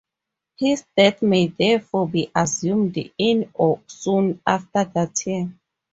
His death may therefore be assumed in or soon after that year.